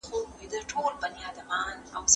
د خاوند ترکه او ميراث چاته وېشل کيږي؟